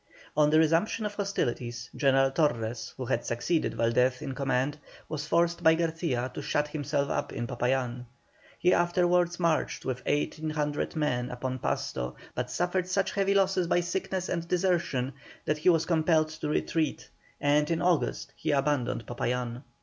On the resumption of hostilities, General Torres, who had succeeded Valdez in command, was forced by Garcia to shut himself up in Popayán. He afterwards marched with 1800 men upon Pasto, but suffered such heavy losses by sickness and desertion, that he was compelled to retreat, and in August he abandoned Popayán.